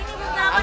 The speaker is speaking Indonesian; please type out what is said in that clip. dari pagi ini bu